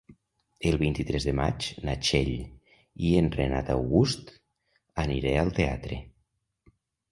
El vint-i-tres de maig na Txell i en Renat August aniré al teatre.